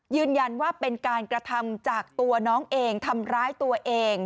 ยืนยันว่าเป็นการกระทำจากตัวน้องเองทำร้ายตัวเอง